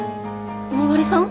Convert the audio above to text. お巡りさん？